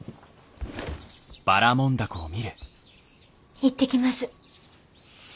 行ってきます。